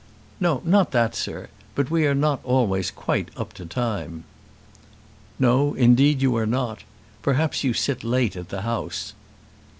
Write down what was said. "No, not that, sir. But we are not always quite up to time." "No; indeed you are not. Perhaps you sit late at the House."